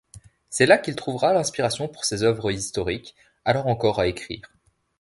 C'est là qu'il trouvera l'inspiration pour ses œuvres historiques, alors encore à écrire.